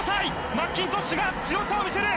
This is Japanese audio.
マッキントッシュが強さを見せる！